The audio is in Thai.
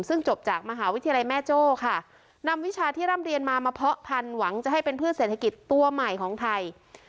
ซึ่งจบจากมหาวิทยาลัยแม่โจ้ค่ะนำวิชาที่ร่ำเรียนมามาเพาะพันธหวังจะให้เป็นพืชเศรษฐกิจตัวใหม่ของไทย